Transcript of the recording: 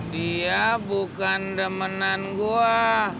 dia bukan demenan gue